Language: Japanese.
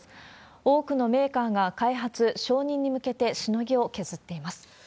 多くのメーカーが開発、承認に向けてしのぎを削っています。